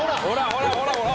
ほらほらほら。